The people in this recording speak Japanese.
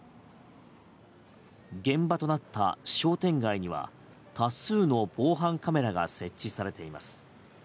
現場となった商店街には多数の防犯カメラが設置されています。